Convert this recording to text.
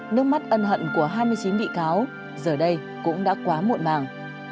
nước mắt ân hận của hai mươi chín bị cáo giờ đây cũng đã quá muộn màng